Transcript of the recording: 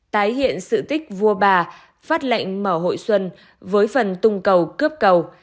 tái hiện sự tích vua bà phát lệnh mở hội xuân với phần tung cầu cướp cầu